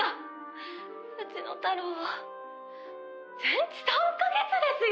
うちの太郎は全治３カ月ですよ！